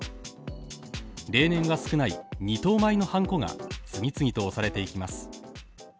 例年は少ない２等米のはんこが次々と押されていきます。